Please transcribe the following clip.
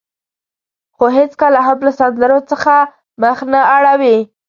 خو هېڅکله هم له سندرو څخه مخ نه اړوي.